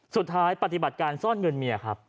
สุดท้ายปฏิบัติการซ่อนเงินเมียครับ